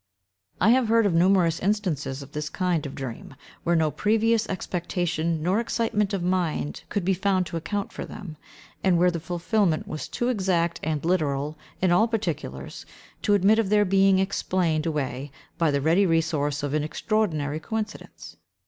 I have heard of numerous instances of this kind of dream, where no previous expectation nor excitement of mind could be found to account for them, and where the fulfilment was too exact and literal, in all particulars, to admit of their being explained away by the ready resource of "an extraordinary coincidence."